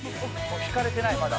「引かれてないまだ」